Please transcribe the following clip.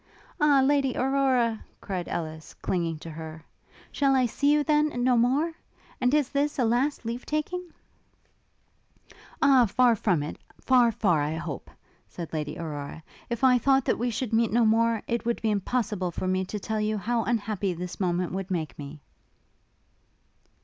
'Ah, Lady Aurora!' cried Ellis, clinging to her, 'shall I see you, then, no more? And is this a last leave taking?' 'O, far from it, far, far, I hope!' said Lady Aurora: 'if I thought that we should meet no more, it would be impossible for me to tell you how unhappy this moment would make me!'